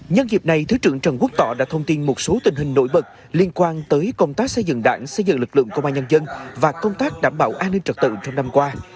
nhân dịp này thứ trưởng trần quốc tỏ đã thông tin một số tình hình nổi bật liên quan tới công tác xây dựng đảng xây dựng lực lượng công an nhân dân và công tác đảm bảo an ninh trật tự trong năm qua